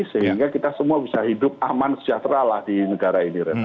sehingga kita semua bisa hidup aman sejahtera lah di negara ini